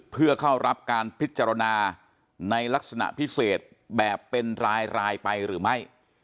เพื่อเข้ารับการพิจารณาในลักษณะพิเศษแบบเป็นรายไปหรือไม่